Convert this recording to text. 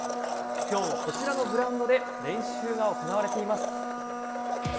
今日もこちらのグラウンドで練習が行われています。